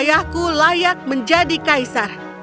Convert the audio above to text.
aku layak menjadi kaisar